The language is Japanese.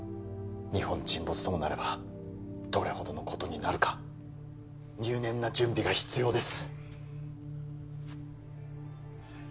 日本沈没ともなればどれほどのことになるか入念な準備が必要です